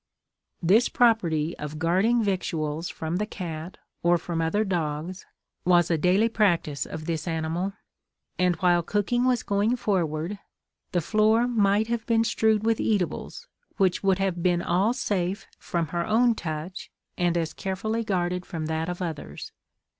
This property of guarding victuals from the cat, or from other dogs, was a daily practice of this animal; and, while cooking was going forward, the floor might have been strewed with eatables, which would have been all safe from her own touch, and as carefully guarded from that of others.